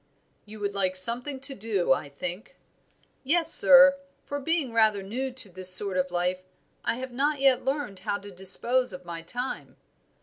"You would like something to do, I think." "Yes, sir; for being rather new to this sort of life, I have not yet learned how to dispose of my time."